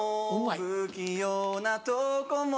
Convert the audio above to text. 不器用なとこも